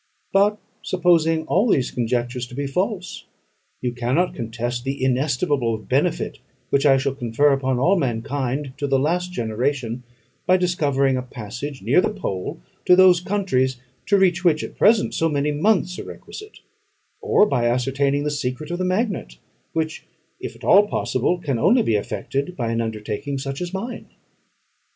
But, supposing all these conjectures to be false, you cannot contest the inestimable benefit which I shall confer on all mankind to the last generation, by discovering a passage near the pole to those countries, to reach which at present so many months are requisite; or by ascertaining the secret of the magnet, which, if at all possible, can only be effected by an undertaking such as mine.